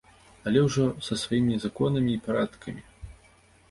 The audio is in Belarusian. Але ўжо са сваімі законамі і парадкамі.